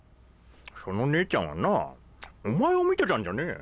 その姉ちゃんはなお前を見てたんじゃねえ。